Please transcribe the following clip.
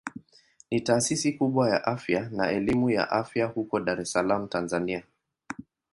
Ni taasisi kubwa ya afya na elimu ya afya huko Dar es Salaam Tanzania.